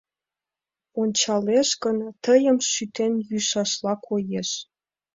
Ончалеш гын, тыйым шӱтен йӱшашла коеш.